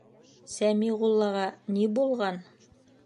Сәмиғуллаға ни булған?